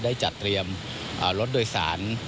ได้จัดเตรียมรถโดยสาร